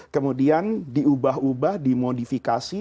kemudian diubah ubah dimodifikasi